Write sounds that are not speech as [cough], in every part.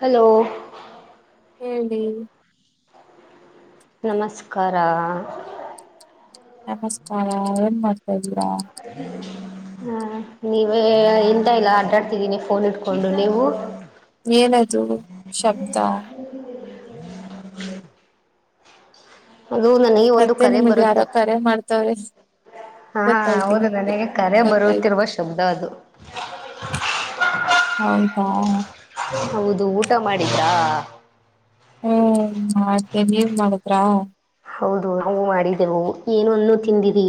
Hello ಹೇಳಿ. ನಮಸ್ಕಾರ. ನಮಸ್ಕಾರ ಏನ್ ಮಾಡ್ತಾದೀರಾ. ಹಾ ನೀವೇ ಎಂತ ಇಲ್ಲ ಆಟಾಡ್ತಿದ್ದೀನಿ ಫೋನ್ ಇಟ್ಕೊಂಡು ನೀವು. ಏನದು ಶಬ್ದ. ಅದು ನನಗೆ ಒಂದು ಮತ್ತೆ ಕರೆ ನಿಮಗೆ ಬರುತ್ತ. ಯಾರೋ ಕರೆ ಮಾಡ್ತವ್ರೆ ಹ ಹಾ ಗೊತ್ತಾಯ್ತು ಹೌದು ನಮ್ಗೆ ನನಗೆ ಕರೆ ಗೊತ್ತಾಯ್ತು ಬರುತ್ತಿರುವ ಶಬ್ದ ಅದು. ಹೌದಾ ಹೌದು ಊಟ ಮಾಡಿದ್ರಾ. ಹ್ಮ್ ಮಾಡ್ದೆ ನೀವ ಮಾಡುದ್ರಾ. ಹೌದು ನಾವು ಮಾಡಿದೆೆವು ಏನ ಅನ್ನು ತಿಂದಿರಿ.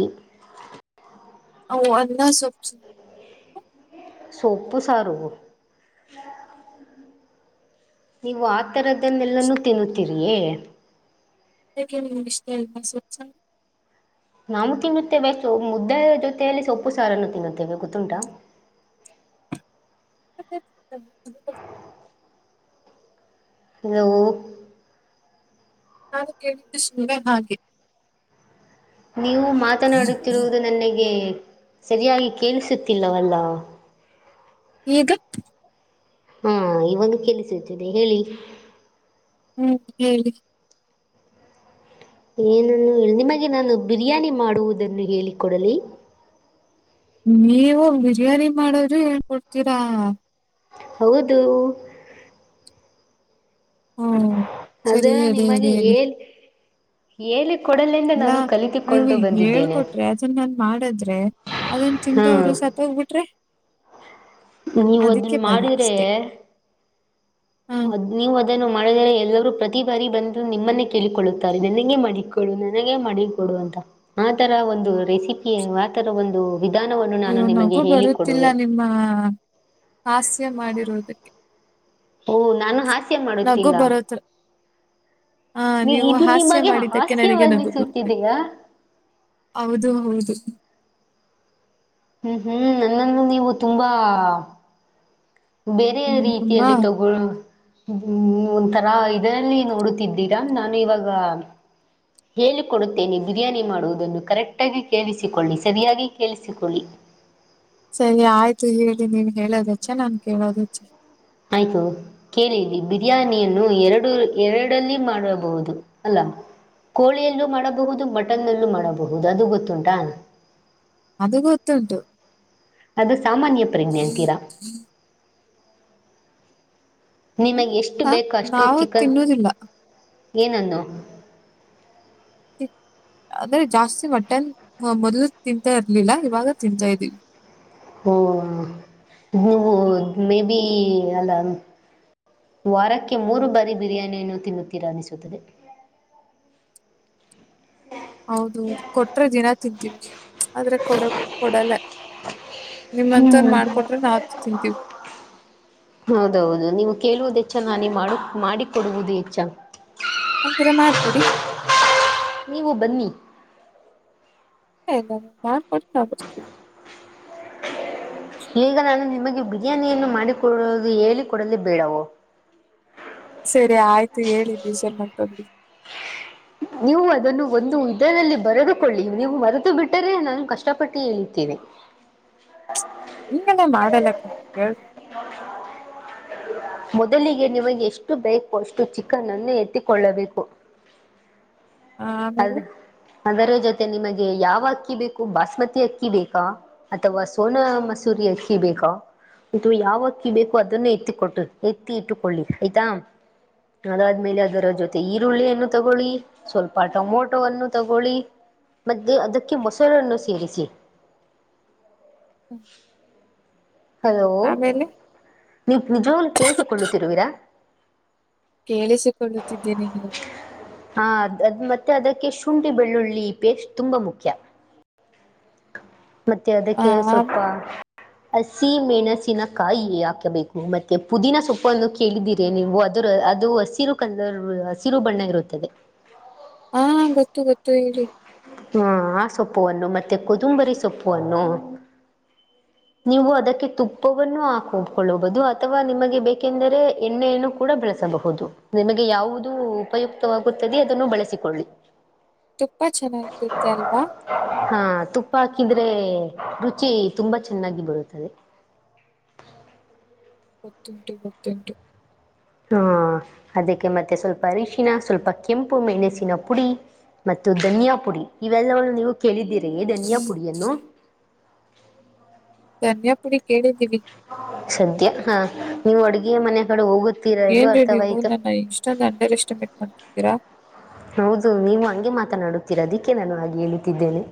ಅವ್ ಅನ್ನ ಸೊಪ್ ಸ್. ಸೊಪ್ಪು ಸಾರು ನೀವು ವತ. ಈಥರದನ್ನೆಲ್ಲಾನೂ ತಿನ್ನುತ್ತೀರಿಯೇ. ಸೆಕೆಂಡ್ ಇಷ್ಟ್ ಹೇಳಿದ್ ಮೇಲ್ ಸೋಚ ನಾವು ತಿನ್ನುತ್ತೇವೆಷ್ಟು ಮುದ್ದೆ ಜೊತೆಯಲ್ಲಿ ಸೊಪ್ಪು ಸಾರನ್ನು ತಿನ್ನುತ್ತೇವೆ ಗೊತ್ತುಂಟ [unintelligible] ಹಲೋ ನಾನು ಕೇಳಿದ್ದು ಸುಮ್ನೆ ಹಾಗೆ. ನೀವು ಮಾತನಾಡುತ್ತಿರುವುದು ನನಗೆ ಸರಿಯಾಗಿ ಕೇಳಿಸುತ್ತಿಲ್ಲವಲ್ಲ. ಈಗ ಹಾ ಇವಾಗ ಕೇಳಿಸುತಿದೆ ಹೇಳಿ ಹ್ಮ್ ಹೇಳಿ ಏನನ್ನು ನಿಮಗೆ ನಾನು ಬಿರಿಯಾನಿ ಮಾಡುವುದನ್ನು ಹೇಳಿ ಕೊಡಲೆ ನೀವು ಬಿರಿಯಾನಿ ಮಾಡೋದು ಹೇಳ್ ಕೊಡ್ತೀರಾ ಹೌದು ಹಾ ಅದು ಸರಿ ಹೇಳಿ ಹೇಳಿ ನಿಮಗೆ ಹೇಳಿ. ಹೇಳ್ ಹೇಳಿಕೊಡಲೆಂದೇ ನಾನು ಮ್ಯಾಮ್ ನೀವು ಕಲಿತುಕೊಂಡು ಇದನ್ನ ಬಂದಿದ್ದೇನೆ ಹೇಳ್ಕೊಟ್ರಿ ಅದನ್ನ ನಾನ್ ಮಾಡದ್ರೆ. ಅದನ್ ಹಾ ತಿಂದೊರು ಸತ್ ಹೋಗ್ಬಿಟ್ರೆ. ನೀವು ಅದಕ್ಕೆ ಅದನ್ನ ಭಯ ಅಷ್ಟೆ. ಮಾಡಿದರೆ ಅದ್ ನೀವು ಅದನ್ನು ಮಾಡಿದರೆ ಎಲ್ಲರೂ ಪ್ರತಿ ಬಾರಿ ಬಂದು ನಿಮ್ಮನ್ನೇ ಕೇಳಿಕೊಳ್ಳುತ್ತಾರೆ ನನಗೆ ಮಾಡಿಕೊಡು ನನಗೆ ಮಾಡಿ ಕೊ ಕೊಡು ಅಂತ ಆತರ ಒಂದು ರೆಸಿಪಿ ಆತರ ಒಂದು ವಿಧಾನವನ್ನು ನಾನು ಅಯ್ಯೋ ನಿಮಗೆ ನಗು ಬರುತ್ತಿಲ್ಲ ಹೇಳಿಕೊಡುವೆ ನಿಮ್ಮ ಹಾಸ್ಯ ಮಾಡಿರೋದಕ್ಕೆ ಓಹ ನಾನು ಹಾಸ್ಯ ನಗು ಮಾಡುತ್ತಿಲ್ಲ. ಬರೋತ್ರ ಆ ನೀ ನೀವು ಇದು ಹಾಸ್ಯ ನಿಮಗೆ ಮಾಡಿದ್ದಕ್ಕೆ ನನಗೆ ನಗು ಬರುತ್ತಿಲ್ಲ ಹಾಸ್ಯವನ್ನಿಸುತ್ತಿದೆಯಾ. ಹೌದು ಹೌದು. ಹ್ಮ್ ಹ್ಮ್ ನನ್ನನ್ನು ನೀವು ತುಂಬಾ ಬೇರೆ ಹ್ಮ್ ತುಂಬಾ ರೀತಿಯಲ್ಲಿ ತಗೋಳೋ ಹ್ಮ ಒಂಥರ ಇದರಲ್ಲಿ ನೋಡುತ್ತಿದ್ದೀರಾ ನಾನು ಇವಾಗ ಹೇಳಿಕೊಡುತ್ತೇನೆ ಬಿರಿಯಾನಿ ಮಾಡುವುದನ್ನು ಕರೆಕ್ಟಾಗಿ ಕೇಳಿಸಿಕೊಳ್ಳಿ ಸರಿಯಾಗಿ ಕೇಳಿಸಿಕೊಳ್ಳಿ. ಸರಿ ಆಯ್ತು ಹೇಳಿ ನೀವ ಹೇಳೋದೆಚ್ಚ ನಾನ್ ಕೇಳೋದೆಚ್ಚ. ಆಯ್ತು ಕೇಳಿಲ್ಲಿ ಬಿರಿಯಾನಿಯನ್ನು ಎರಡು ಎರಡಲ್ಲಿ ಮಾಡಬಹುದು ಅಲ್ಲ ಕೋಳಿಯಲ್ಲೂ ಮಾಡಬಹುದು ಮಟನ್ನಲ್ಲೂ ಮಾಡಬಹುದು ಅದು ಗೊತ್ತುಂಟಾ. ಅದು ಗೊತ್ತುಂಟು. ಅದು ಸಾಮಾನ್ಯ ಪ್ರಜ್ಞೆ ಅಂತೀರಾ. ಹ್ಮ್, ನಿಮಗೆ ಎಷ್ಟು ಬೇಕೊ ಅಷ್ಟು ನಾವು ಚಿಕನ್ ತಿನ್ನೋದಿಲ್ಲ ಏನನ್ನು ಅಂದ್ರೆ ಜಾಸ್ತಿ ಮಟನ್ ಮೊದ್ಲು ತಿಂತಾ ಇರ್ಲಿಲ್ಲ ಇವಾಗ ತಿಂತಾ ಇದ್ದೀವಿ ಒ ನೀವು ಮೇಬಿ ಅಲ್ಲ ವಾರಕ್ಕೆ ಮೂರು ಬಾರಿ ಬಿರಿಯಾನಿಯನ್ನು ತಿನ್ನುತ್ತೀರಾ ಅನ್ನಿಸುತ್ತದೆ. ಹೌದೌದು ಕೊಟ್ರೆ ದಿನ ತಿಂತೀವಿ ಆದ್ರೆ ಕೊಡ ಕೊಡಲ್ಲ. ನಿಮ್ಮಂಥವರ ಮಾಡ್ಕೊಟ್ರೆ ನಾವ ತಿಂತೀವಿ. ಹೌದೌದು ನೀವು ಕೇಳುವುದು ಹೆಚ್ಚ ನಾನ ನೀ ಮಾಡ ಮಾಡಿಕೊಡುವುದು ಹೆಚ್ಚಾ. ಹಾಗಿರ ಮಾಡ್ಕೊಡಿ. ನೀವು ಬನ್ನಿ. ಹೇ ನಾವು ಮಾಡಿಕೊಟ್ರೆ ನಾವ್ ಬರ್ತೀವಿ. ಈಗ ನಾನು ನಿಮಗೆ ಬಿರಿಯಾನಿಯನ್ನು ಮಾಡಿಕೊಡುವುದು ಹೇಳಿ ಕೊಡಲೆ ಬೇಡವೊ. ಸರಿ ಆಯ್ತು ಹೇಳಿ ಬೇಜಾರ್ ಮಾಡ್ಕೋಬೇಡಿ. ನೀವು ಅದನ್ನು ಒಂದು ಇದರಲ್ಲಿ ಬರೆದುಕೊಳ್ಳಿ ನೀವು ಮರೆತು ಬಿಟ್ಟರೆ ನಾನು ಕಷ್ಟಪಟ್ಟು ಹೇಳಿತ್ತೇನೆ. ಹಿಂಗೆಲ್ಲ ಮಾಡಲ್ಲ ಕಣ್ರಿ ಹೇಳ್ರಿ [unintelligible] ಮೊದಲಿಗೆ ನಿಮಗೆ ಎಷ್ಟು ಬೇಕೊ ಅಷ್ಟು ಚಿಕನ್ ಅನ್ನು ಎತ್ತಿಕೊಳ್ಳಬೇಕು. ಅದ ಆಮೇಲೆ ಅದರ ಜೊತೆ ನಿಮಗೆ ಯಾವ ಅಕ್ಕಿ ಬೇಕು ಬಾಸ್ಮತಿ ಅಕ್ಕಿ ಬೇಕಾ. ಅಥವಾ ಸೋನ ಮಸೂರಿ ಅಕ್ಕಿ ಬೇಕಾ. ಇದು ಯಾವಕ್ಕಿ ಬೇಕು ಅದನ್ನ ಎತ್ತಿ ಕೊಟ್ಟು ಎತ್ತಿ ಇಟ್ಟುಕೊಳ್ಳಿ ಆಯ್ತಾ. ಅದಾದ್ಮೇಲೆ ಅದರ ಜೊತೆ ಈರುಳ್ಳಿ ಅನ್ನು ತಗೊಳ್ಳಿ. ಸ್ವಲ್ಪ ಟೊಮೊಟೊವನ್ನು ತಗೊಳ್ಳಿ ಮತ್ತು ಅದಕ್ಕೆ ಮೊಸರನ್ನು ಸೇರಿಸಿ. ಹ್ಮ ಹಲೋ ನೀವ ನಿಜ್ವಾಗ್ಲೂ ಕೇಳಿಸಿಕೊಳ್ಳುತ್ತಿರ್ರುವೀರಾ. ಕೇಳಿಸಿಕೊಳ್ಳುತ್ತಿದ್ದೇನೆ ಹೇಳಿ. ಹಾ ಅದ್ ಅದ್ ಮತ್ತೆ ಅದಕ್ಕೆ ಶುಂಠಿ ಬೆಳ್ಳುಳ್ಳಿ ಪೇಸ್ಟ್ ತುಂಬಾ ಮುಖ್ಯ. ಮತ್ತೆ ಆ ಅದಕ್ಕೆ ಸ್ವಲ್ಪ ಆಮ್- ಹಸಿ ಮೆಣಸಿನ ಕಾಯಿ ಹಾಕಬೇಕು ಮತ್ತೆ ಪುದೀನ ಸೊಪ್ಪನ್ನು ಕೇಳಿದೀರೆ ನೀವು ಅದರ ಅದು ಹಸಿ ಸಿರು ಕಲರ್ ಹಸಿರು ಬಣ್ಣ ಇರುತ್ತದೆ. ಹಾ ಗೊತ್ತು ಗೊತ್ತು ಹೇಳಿ. ಹ ಆ ಸೊಪ್ಪುವನ್ನು ಮತ್ತು ಕೊದುಂಬರಿ ಸೊಪ್ಪುವನ್ನು ನೀವು ಅದಕ್ಕೆ ತುಪ್ಪವನ್ನು ಹಾಕಕೊಳ್ಳಬಹುದು ಅಥವಾ ನಿಮಗೆ ಬೇಕೆಂದರೆ ಎಣ್ಣೆಯನ್ನು ಕೂಡಾ ಬಳಸಬಹುದು ನಿಮಗೆ ಯಾವುದು ಉಪಯುಕ್ತವಾಗುತ್ತದೆ ಅದನ್ನು ಬಳಸಿಕೊಳ್ಳಿ. ತುಪ್ಪ ಚೆನ್ನಾಗಿರುತ್ತೆ ಅಲ್ವಾ. ಹಾ ತುಪ್ಪಾ ಹಾಕಿದ್ರೆ ರುಚಿ ತುಂಬಾ ಚೆನ್ನಾಗಿ ಬರುತ್ತದೆ. ಗೊತ್ತುಂಟು ಗೊತ್ತುಂಟು. ಹಾ ಅದಕ್ಕೆ ಮತ್ತೆ ಸ್ವಲ್ಪ ಅರಿಶಿನ ಸ್ವಲ್ಪ ಕೆಂಪು ಮೆಣಸಿನ ಪುಡಿ ಮತ್ತೆ ಧನಿಯಾ ಪುಡಿ ಇವೆಲ್ಲವನ್ನು ನೀವು ಕೇಳಿದ್ದೀರಿಯೆ ಧನಿಯಾ ಪುಡಿಯನ್ನು ಧನ್ಯಾಪುಡಿ ಕೇಳಿದ್ದೀವಿ. ಸದ್ಯ ಹಾ ನೀವು ಅಡುಗೆಯ ಮನೆ ಕಡೆ ಹೋಗುತ್ತ ಏನ್ ರೀ ನೀವು ನನ್ನ ಇಷ್ಟೊಂದ ಅಂಡರ್ ಎಸ್ಟಿಮೇಟ್ ಮಾಡ್ತಿದ್ದೀರಾ. ಹೌದು ನೀವು ಹಂಗೆ ಮಾತನಾಡುತ್ತೀರಾ ಅದಕ್ಕೆ ನಾನು ಹಾಗೆ ಹೇಳುತ್ತಿದ್ದೇನೆ.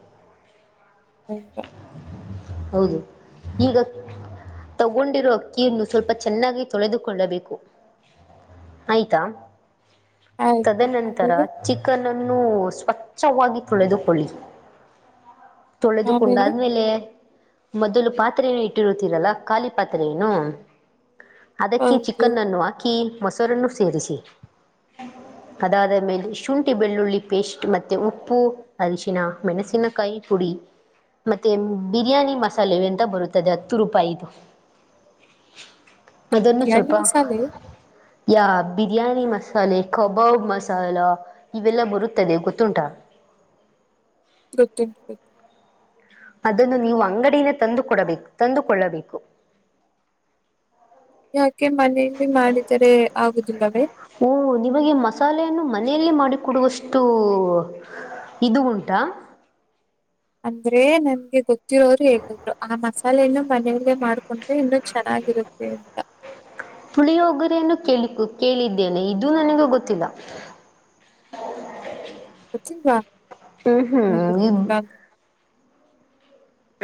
ಇಲ್ಲಾ. ಹೌದು ಈಗ ತಗೊಂಡಿರೋ ಅಕ್ಕಿಯನ್ನು ಸ್ವಲ್ಪ ಚೆನ್ನಾಗಿ ತೊಳೆದುಕೊಳ್ಳಬೇಕು. ಆಯ್ತಾ ಆಯ್ತು ತದನಂತರ. ಆಮೇಲೆ ಚಿಕನ್ ಅನ್ನು ಸ್ವಚ್ಛವಾಗಿ ತೊಳೆದುಕೊಳ್ಳಿ. ಆಮೇಲೆ ತೊಳೆದುಕೊಂಡಾದ್ಮೇಲೆ ಮೊದಲು ಪಾತ್ರೆಯನ್ನು ಇಟ್ಟಿರುತ್ತೀರಲ್ಲ ಖಾಲಿ ಪಾತ್ರೆಯನ್ನು. ಅದಕ್ಕೆ ಹೌದು ಚಿಕನ್ ಅನ್ನು ಹಾಕಿ ಮೊಸರನ್ನು ಸೇರಿಸಿ. ಅದಾದ ಮೇಲೆ ಶುಂಠಿ ಬೆಳ್ಳುಳ್ಳಿ ಪೇಸ್ಟ್ ಮತ್ತೆ ಉಪ್ಪು ಅರಿಶಿನ ಮೆಣಸಿನಕಾಯಿ ಪುಡಿ. ಮತ್ತೆ ಬಿರಿಯಾನಿ ಮಸಾಲೆ ಅಂತ ಬರುತ್ತದೆ ಹತ್ತು ರೂಪಾಯಿದು. ಅದನ್ನು ಸ್ವಲ್ಪ ಬಿರಿಯಾನಿನ ಸಾಲೆ ಯಾ ಬಿರಿಯಾನಿ ಮಸಾಲೆ ಕಬಾಬ್ ಮಸಾಲಾ ಇವೆಲ್ಲ ಬರುತ್ತದೆ ಗೊತ್ತುಂಟಾ. ಗೊತ್ತುಂಟು ಗೊತ್ತು ಅದನ್ನು ನೀವು ಅಂಗಡಿಲೆ ತಂದು ಕೊಡಬೇಕು ತಂದುಕೊಳ್ಳಬೇಕು. ಯಾಕೆ ಮನೆಲ್ಲಿ ಮಾಡಿದರೆ ಆಗುದಿಲ್ಲವೇ. ಓ ನಿಮಗೆ ಮಸಾಲೆಯನ್ನು ಮನೆಯಲ್ಲೇ ಮಾಡಿಕೊಡುವಷ್ಟು ಇದು ಉಂಟಾ. ಅಂದ್ರೆ ನನ್ಗೆ ಗೊತ್ತಿರೋರು ಹೇಳಿದ್ರು ಆಮಾಸ್ ಅಲ್ಲ ಇನ್ನು ಮನೆಯಲ್ಲೇ ಮಾಡ್ಕೊಂಡ್ರೆ ಇನ್ನೂ ಚೆನ್ನಾಗಿರುತ್ತೆ ಅಂತ. ಪುಳಿಯಗ್ಗರೆನ್ನು ಕೇಳಿಕು ಕೇಳಿದ್ದೇನೆ ಇದು ನನಗೆ ಗೊತ್ತಿಲ್ಲ. ಹ್ಮ್ ಗೊತ್ತಿಲ್ವಾ? ಹ್ಮ್ ನಿನ್ಗೆ ಗೊತ್ತಿಲ್ಲ ಇಬ್ ಅಂತ.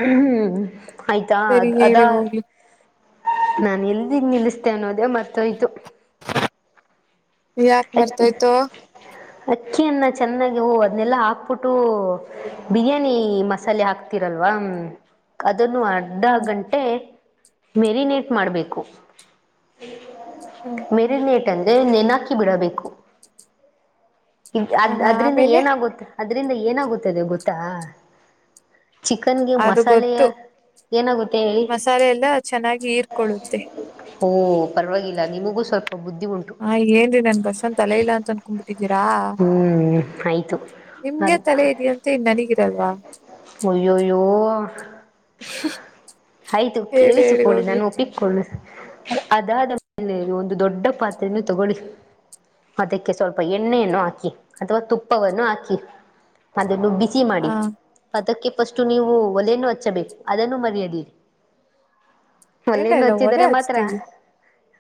ಹ್ಮ್ ಹ್ಮ್ ಆಯ್ತಾ ಸರಿ ಅದ್ ಹೇಳಿ ಅದಾ. ಹೋಗ್ಲಿ. ನಾನ ಎಲ್ಲೀಗ್ ನಿಲ್ಲಿಸ್ತೆೇ ಅನ್ನೋದೇ ಮರ್ತ್ತೋಯ್ತು. ಯಾಕ್ ಅಕ್ಕಿ ಮರ್ತೊಯ್ತು. ಅಕ್ಕಿಯನ್ನ ಚೆನ್ನಾಗಿ ಹೂ ಅದನೆಲ್ಲಾ ಹಾಕ್ಬಿಟ್ಟು. ಬಿರಿಯಾನಿ ಮಸಾಲೆ ಹಾಕ್ತಿರಲ್ವಾ ಅದನ್ನು ಆಡ್ ಅರ್ಧ ಹ್ಮ್, ಗಂಟೆ ಮೆರಿನೇಟ್ ಮಾಡಬೇಕು ಹ್ಮ್. ಮೆ ರಿನೇಟ್ ಅಂದ್ರೆ ನೆನಾಕಿ ಬಿಡಬೇಕು. ಆ, ಅದ್ ಅದ್ರಿಂದ ಆಮೇಲೆ ಏನಾಗತ್ ಅದ್ರಿಂದ ಏನಾಗುತ್ತದೆ ಗೊತ್ತಾ. ಚಿಕನ್ಗೆ ಅದು ಮಸಾಲೆಯ. ಗೊತ್ತು ಏನಾಗುತ್ತೆ ಹೇಳಿ. ಮಸಾಲೆ ಎಲ್ಲ ಚೆನ್ನಾಗಿ ಹೀರ್ಕೊಳ್ಳುತ್ತೆ. ಓಹೊ ಪರವಾಗಿಲ್ಲ ನಿಮಗೂ ಸ್ವಲ್ಪ ಬುದ್ಧಿ ಉಂಟು. ಹಾ ಏನ್ ನನ್ ಬಸನ್ ತಲೆ ಇಲ್ಲ ಅಂತ ಅನ್ಕೊಬಿಟ್ಟಿದ್ದೀರಾ ಹ್ಮ್ ಆಯ್ತು ನಿಮ್ಗೆ ಅದ್ ತಲೆ ಇದೆಯ ತ್ತೆ ನನಗಿರಲ್ವಾ. ಒಯಯೋ. ಆಯ್ತು ಹೇಳಿ ಹೇಳಿ ಕೇಳಿಸಿಕೊಳ್ಳು ಹೋಗ್ಲಿ. ನಾನು ಒಪ್ಪಿಕೊಳ್ಳು. ಅದಾದ ಮೇಲೆ ಒಂದು ದೊಡ್ಡ ಪಾತ್ರೆನು ತೊಗೊಳ್ಳಿ. ಅದಕ್ಕೆ ಸ್ವಲ್ಪ ಎಣ್ಣೆಯನ್ನು ಹಾಕಿ ಅಥವಾ ತುಪ್ಪವನ್ನು ಹಾಕಿ ಅದನ್ನು ಬಿಸಿ ಹಾ, ಮಾಡಿ. ಅದಕ್ಕೆ ಪಸ್ಟ್ ನೀವು ಒಲೆಯನ್ನು ಹಚ್ಚಬೇಕು ಅದನ್ನು ಮರೆಯದಿರಿ. ಇಲ್ಲ ಒಲೆಯನ್ನು ಇಲ್ಲ ಒಲೆ ಹಚ್ಚಿದರೆ ಮಾತ್ರ. ಹಚ್ತೀವಿ.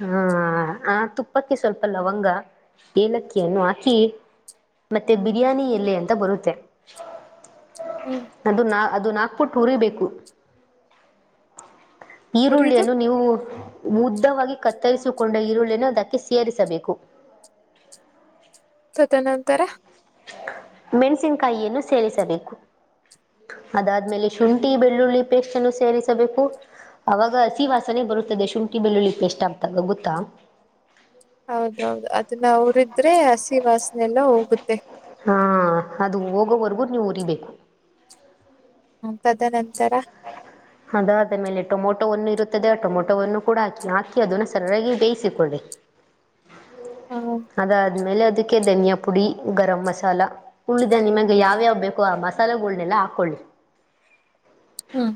ಹಾಂ ಆ ತುಪ್ಪಕ್ಕೆ ಸ್ವಲ್ಪ ಲವಂಗ ಏಲಕ್ಕಿಯನ್ನು ಹಾಕಿ. ಮತ್ತೆ ಬಿರಿಯಾನಿ ಎಲೆ ಅಂತ ಬರುತ್ತೆ. ಹ್ಮ್, ಅದು ನಾ ಅದುನಾಕ್ ಪುಟ್ಟ್ ಹುರಿ ಬೇಕು. ಉರಿದು ಈರುಳ್ಳಿಯನ್ನು ನೀವು ಉದ್ದವಾಗಿ ಕತ್ತರಿಸಿಕೊಂಡ ಈರುಳ್ಳಿಯನ್ನು ಅದಕ್ಕೆ ಸೇರಿಸಬೇಕು. ತದ ನಂತರ. ಮೆಣಸಿನ್ಕಾಯಿಯನ್ನು ಸೇರಿಸಬೇಕು. ಅದಾದ್ಮೇಲೆ ಶುಂಠಿ ಬೆಳ್ಳುಳ್ಳಿ ಪೇಸ್ಟನ್ನು ಸೇರಿಸಬೇಕು. ಅವಾಗ ಹಸಿವಾಸನೆ ಬರುತ್ತದೆ ಶುಂಠಿ ಬೆಳ್ಳುಳ್ಳಿ ಪೇಸ್ಟ್ ಹಾಕ್ದಾಗ ಗೊತ್ತಾ. ಹೌದೌದು ಅದನ್ನ ಹುರಿದ್ರೆ ಹಸಿವಾಸನೆ ಎಲ್ಲ ಹೋಗುತ್ತೆ. ಹಾಂ ಅದು ಹೋಗೋವರ್ಗೂ ನೀವು ಉರಿಬೇಕು. ಹ್ಮ್ ತದ ನಂತರ. ಹ್ ಅದಾದಮೇಲೆ ಟೊಮೊಟೊವನ್ನು ಇರುತ್ತದೆ ಟೊಮೊಟೊವನ್ನು ಕೂಡ ಹಾಕಿ ಹಾಕಿದನ್ನ ಸರಿಯಾಗಿ ಬೇಯಿಸಿಕೊಳ್ಳಿ. ಹ ಅದಾದ್ಮೇಲೆ ಅದಕ್ಕೆ ಧನಿಯಾ ಪುಡಿ ಗರಂ ಮಸಾಲ. ಉಳಿದ ನಿಮಗೆ ಯಾವ್ಯಾವ ಬೇಕು ಆ ಮಸಾಲೆಗಳುನೆಲ್ಲ ಹಾಕೊಳ್ಳಿ. ಹ್ಮ್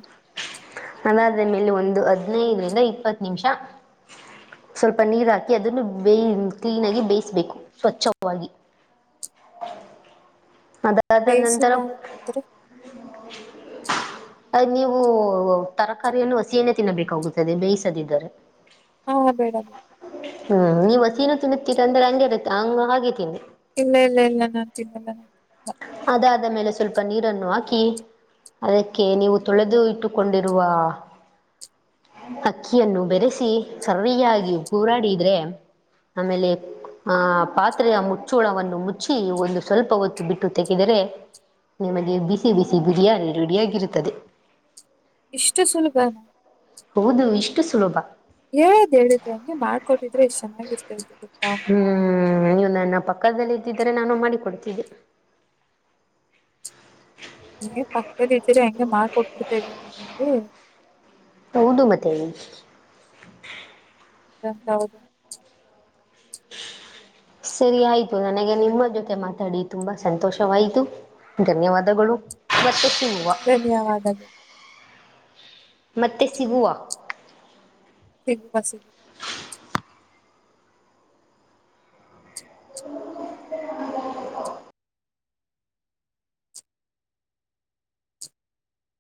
ನನಾದ್ರ ಮೇಲೆ ಒಂದು ಹದ್ನೈದರಿಂದ ಇಪ್ಪತ್ ನಿಮಿಷ. ಸ್ವಲ್ಪ ನೀರ್ ಹಾಕಿ ಅದನ್ನು ಬೇಯ ಕ್ಲೀನ್ ಆಗಿ ಬೇಯಿಸ್ಬೇಕು ಸ್ವಚ್ಛವಾಗಿ. ಅದಾದನಂತರ. ಬೇಯಿಸಿಲ್ಲ ಅಂತಂದ್ರೆ [unintelligible] ಆ ನೀವು ತರಕಾರಿಯನ್ನು ಹಸಿಯನ್ನೇ ತಿನ್ನಬೇಕಾಗುತ್ತದೆ ಬೇಯಿಸದಿದ್ದರೆ ಹಾ [unintelligible] ಹ್ಮ್ ನೀವ್ ಹಸೀನು ತಿನ್ನುತ್ತೀರ ಅಂದ್ರೆ ಹಂಗೆ ಇರುತ್ತೆ ಹಾಗೆ ತಿನ್ನಿ ಇಲ್ಲ ಇಲ್ಲ ಇಲ್ಲ ನಾನ್ ತಿನ್ನಲ್ಲ ಅದಾದ ಮೇಲೆ ಸ್ವಲ್ಪ ನೀರನ್ನು ಹಾಕಿ ಅದಕ್ಕೆ ನೀವು ತೊಳೆದು ಇಟ್ಟುಕೊಂಡಿರುವ ಅಕ್ಕಿಯನ್ನು ಬೆರೆಸಿ ಸರಿಯಾಗಿ ಹೂರಾಡಿದ್ರೆ ಆಮೇಲೆ ಆ ಪಾತ್ರೆಯ ಮುಚ್ಚೋಳವನ್ನು ಮುಚ್ಚಿ ಒಂದು ಸ್ವಲ್ಪ ಹೊತ್ತು ಬಿಟ್ ತೆಗೆದರೆ ನಿಮಗೆ ಬಿಸಿ ಬಿಸಿ ಬಿರಿಯಾನಿ ರೆಡಿಯಾಗಿರುತ್ತದೆ ಇಷ್ಟು ಸುಲಭ ಹೌದು ಇಷ್ಟು ಸುಲಭ [unintelligible] ಬಾಳ್ ಕೊಟ್ಟಿದ್ರೆ ಎಷ್ಟು ಚೆನ್ನಾಗಿರ್ತೈತ್ತು ಗೊತ್ತಾ ಹ್ಮ್ ನೀವು ನನ್ನ ಪಕ್ಕದಲ್ಲಿ ಇದ್ದಿದ್ರೆ ನಾನು ಮಾಡಿ ಕೊಡ್ತಿದ್ದಿ ಇಂಗೆ ಪಕ್ಕದಲ್ಲಿದ್ದಿದ್ದರೆ ಹೆಂಗೋ ಮಾಡ್ಕೊಟ್ [inaudible] ಹೌದು ಮತ್ತೆ [unintelligible] ಸರಿ ಆಯ್ತು ನನಗೆ ನಿಮ್ಮ ಜೊತೆ ಮಾತಾಡಿ ತುಂಬಾ ಸಂತೋಷವಾಯ್ತು ಧನ್ಯವಾದಗಳು ಮತ್ತೆ ಸಿಗುವ ಧನ್ಯವಾದ ಮತ್ತೆ ಸಿಗುವ [unintelligible]